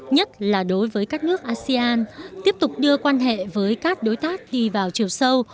nhất là đối với các nước asean tiếp tục đưa quan hệ với các đối tác đi vào chiều sâu